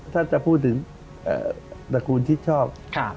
ถ้าจะพูดถึงตระกูลชิดชอบ